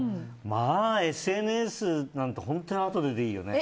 まあ、ＳＮＳなんて本当にあとでいいよね。